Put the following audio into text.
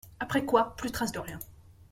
Après quoi, plus trace de rien.